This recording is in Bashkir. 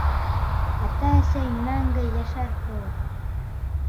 Атай-әсәй мәңге йәшәр кеүек.